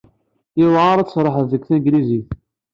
Yewɛeṛ ad tserrḥeḍ deg tanglizit.